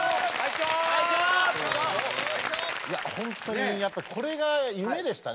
いや本当にやっぱこれが夢でしたね